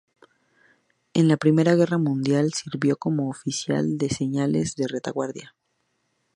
En la Primera Guerra Mundial sirvió como oficial de señales en la retaguardia.